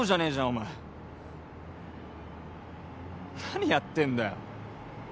お前何やってんだよ